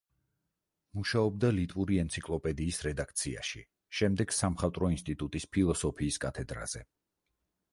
მუშაობდა ლიტვური ენციკლოპედიის რედაქციაში, შემდეგ სამხატვრო ინსტიტუტის ფილოსოფიის კათედრაზე.